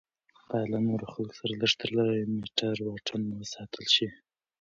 باید له نورو خلکو سره لږ تر لږه یو میټر واټن وساتل شي.